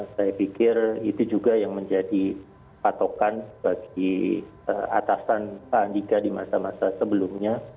saya pikir itu juga yang menjadi patokan bagi atasan pak andika di masa masa sebelumnya